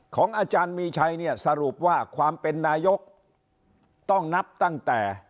ของอาจารย์มีชัยเนี่ยสรุปว่าความเป็นนายกต้องนับตั้งแต่